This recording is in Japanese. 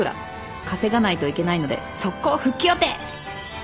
「稼がないといけないので即行復帰予定！！」